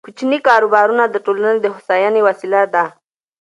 کوچني کاروبارونه د ټولنې د هوساینې وسیله ده.